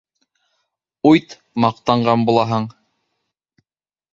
Уйт, маҡтанған булаһың!